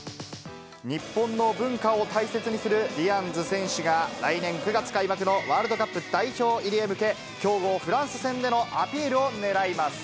日本の文化を大切にするディアンズ選手が、来年９月開幕のワールドカップ代表入りへ向け、強豪、フランス戦でのアピールをねらいます。